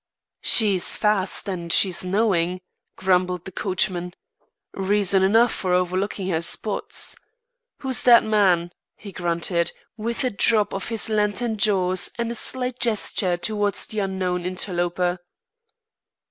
"She's fast and she's knowing," grumbled the coachman. "Reason enough for overlooking her spots. Who's that man?" he grunted, with a drop of his lantern jaws, and a slight gesture towards the unknown interloper.